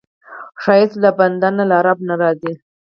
ښایست له بنده نه، له رب نه راځي